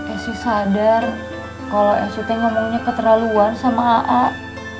esi sadar kalau esi tengah ngomongnya keterlaluan sama a'at